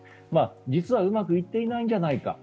実はうまくいってないんじゃないか